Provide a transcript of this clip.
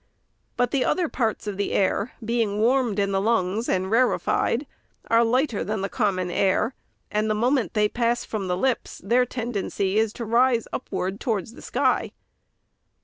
But the other parts of the air, being warmed in the lungs, and rarefied, are lighter than the common air, and the mo ment they pass from the lips, their tendency is to rise upward towards the sky.